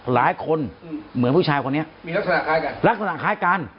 หลายคนเหมือนผู้ชายคนนี้มีลักษณะคล้ายกัน